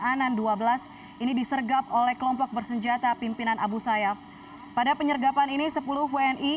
anan dua belas ini disergap oleh kelompok bersenjata pimpinan abu sayyaf pada penyergapan ini sepuluh wni